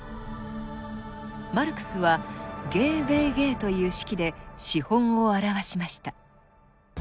マルクスは「Ｇ−Ｗ−Ｇ’」という式で資本を表しました。